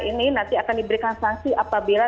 ini nanti akan diberikan sanksi apabila